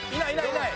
いない。